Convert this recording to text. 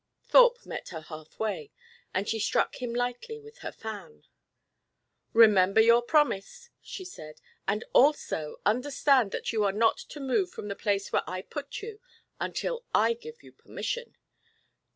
Thorpe met her half way, and she struck him lightly with her fan. "Remember your promise," she said. "And also understand that you are not to move from the place where I put you until I give you permission.